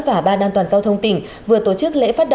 và ban an toàn giao thông tỉnh